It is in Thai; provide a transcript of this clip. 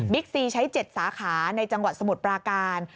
ซีใช้๗สาขาในจังหวัดสมุทรปราการ